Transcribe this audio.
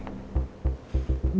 waktu kita pembicaraan tempoh hari